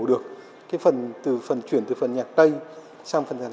được cái phần chuyển từ phần nhạc tay sang phần nhạc tay